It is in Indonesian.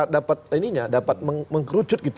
dapat ini nya dapat mengkerucut gitu